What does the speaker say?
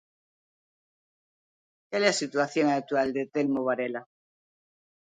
Cal é a situación actual de Telmo Varela?